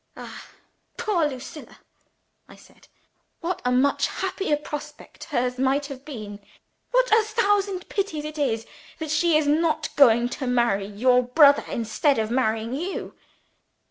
"Ah, poor Lucilla!" I said. "What a much happier prospect hers might have been! What a thousand pities it is that she is not going to marry your brother, instead of marrying _you!